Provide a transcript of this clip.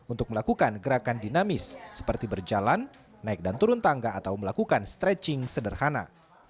untuk melakukan gerakan dinamis seperti berjalan naik dan turun tangga atau melakukan stretching sederhana